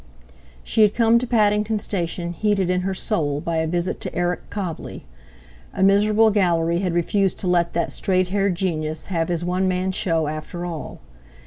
She had come to Paddington Station heated in her soul by a visit to Eric Cobbley. A miserable Gallery had refused to let that straight haired genius have his one man show after all.